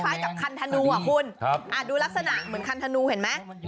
กับคันธนูอ่ะคุณดูลักษณะเหมือนคันธนูเห็นไหม